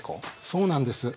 そうなんです。